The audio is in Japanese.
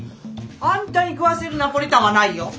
あんたに食わせるナポリタンはないよ！